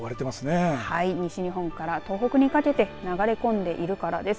西日本から東北にかけて流れ込んでいるからです。